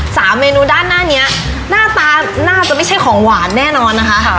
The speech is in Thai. สามเมนูด้านหน้าเนี้ยหน้าตาน่าจะไม่ใช่ของหวานแน่นอนนะคะค่ะ